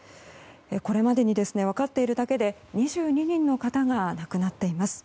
これまでに分かっているだけで２２人の方が亡くなっています。